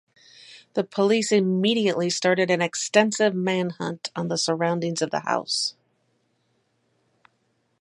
The police immediately started an extensive manhunt on the surroundings of the house.